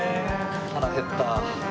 腹減った。